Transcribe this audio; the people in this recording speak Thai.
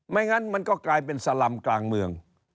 งั้นมันก็กลายเป็นสลำกลางเมือง